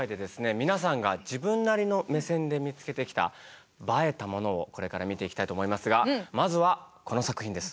皆さんが自分なりの目線で見つけてきたＢＡＥたものをこれから見ていきたいと思いますがまずはこの作品です。